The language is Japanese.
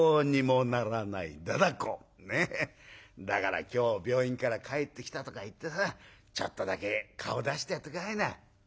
だから今日病院から帰ってきたとか言ってさちょっとだけ顔出してやって下さいな」。